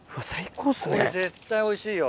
これ絶対おいしいよ。